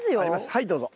はいどうぞ。